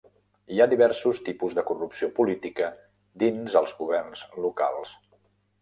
Hi ha diversos tipus de corrupció política dins els governs locals.